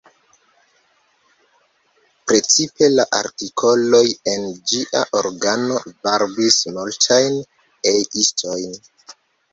Precipe la artikoloj en ĝia organo varbis multajn E-istojn.